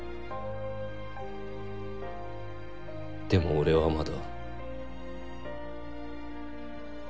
でも俺はまだ。